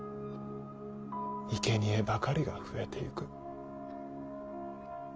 いけにえばかりが増えていく。